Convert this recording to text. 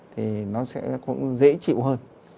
thì nó sẽ cũng dễ chịu hơn